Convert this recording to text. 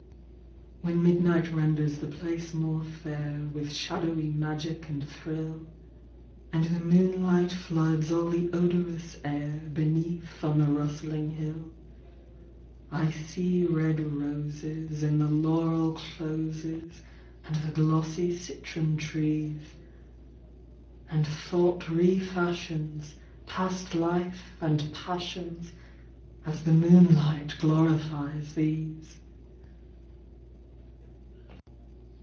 When midnight renders the place more fair With shadowy magic and thrill, Q2 ANDALUSIAN MOON LI GH T. And the moonlight floods all the odorous air, Beneath on the rustling hill ; I see red roses In the laurel closes, And the glossy citron trees ; And thought re fashions. Past life and passions, As the moonlight glorifies these.